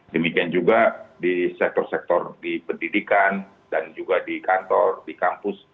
demikian juga di sektor sektor di pendidikan dan juga di kantor di kampus